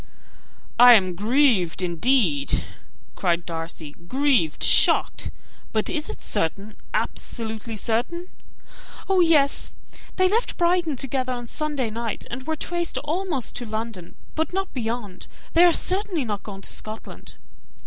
"I am grieved, indeed," cried Darcy: "grieved shocked. But is it certain, absolutely certain?" "Oh, yes! They left Brighton together on Sunday night, and were traced almost to London, but not beyond: they are certainly not gone to Scotland."